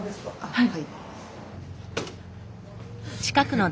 はい。